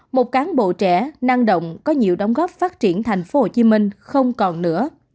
một cán bộ trẻ năng động có nhiều đóng góp phát triển thành phố hồ chí minh không còn nữa